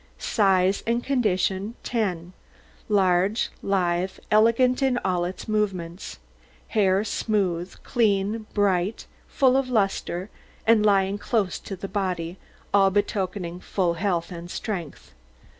SIZE AND CONDITION 10 Large, lithe, elegant in all its movements; hair smooth, clean, bright, full of lustre, and lying close to the body, all betokening full health and strength.